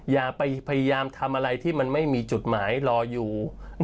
อย่าไปพยายามทำอะไรที่มันไม่มีจุดหมายรออยู่